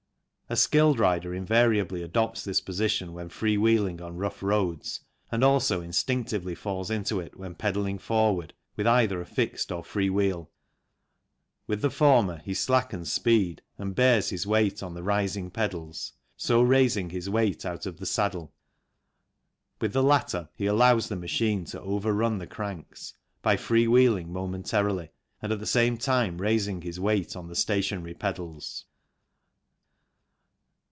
A skilled rider invariably adopts this position when free wheeling on rough roads and also instinctively falls into it when pedalling forward, with either a fixed or free wheel ; with the former he slackens speed and bears his weight on the rising pedals, so raising his weight out of the saddle ; with the latter he allows the machine to over run the cranks, by free wheeling momentarily, and at the same time raising his weight on the stationary pedals.